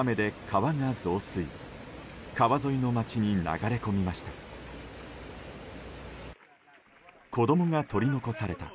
川沿いの街に流れ込みました。